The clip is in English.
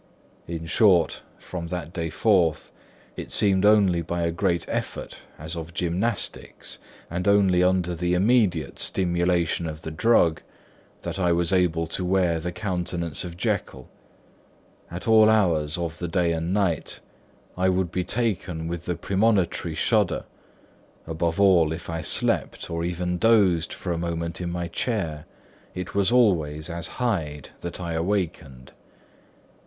In short, from that day forth it seemed only by a great effort as of gymnastics, and only under the immediate stimulation of the drug, that I was able to wear the countenance of Jekyll. At all hours of the day and night, I would be taken with the premonitory shudder; above all, if I slept, or even dozed for a moment in my chair, it was always as Hyde that I awakened.